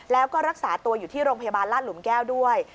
แล้วก็รักษาตัวอยู่ที่โรงพยาบาลราชหลุมแก้วด้วย